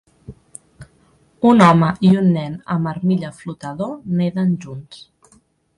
Un home i un nen amb armilla flotador neden junts